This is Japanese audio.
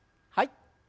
はい。